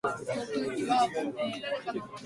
ごねたって何も出て来やしないよ